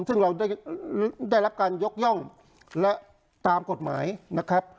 ซึ่งเราได้รับการยกย่องและตามกฎหมายนะครับ